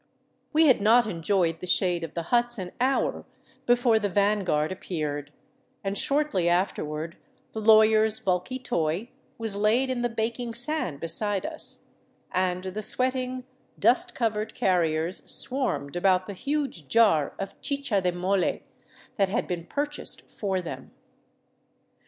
We had not enjoyed the shade of the huts an hour before the van guard appeared, and shortly afterward the lawyer's bulky toy was laid in the baking sand beside us, and the sweating, dust covered carriers swarmed about the huge jar of chicha de moUe that had been purchased for them.